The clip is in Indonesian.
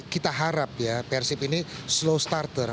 kita harap ya persib ini slow starter